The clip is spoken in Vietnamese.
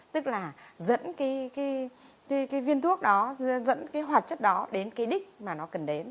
tức là dẫn cái viên thuốc đó dẫn cái hoạt chất đó đến cái đích mà nó cần đến